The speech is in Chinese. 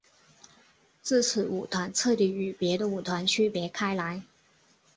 自此舞团彻底与别的舞团区别开来。